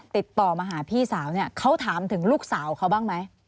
ติดต่อมาหาพี่สาวเนี่ยเขาถามถึงลูกสาวเขาบ้างไหม